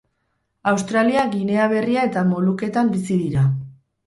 Australia, Ginea Berria eta Moluketan bizi dira.